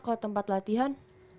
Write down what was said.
ke tempat latihan